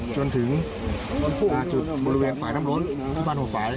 จนถึงจุดบริเวณฝ่ายน้ำล้นที่บ้าน๖ฝ่าย